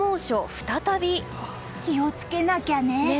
気をつけなきゃね。